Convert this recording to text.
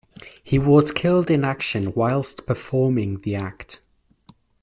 He was killed in action whilst performing the act.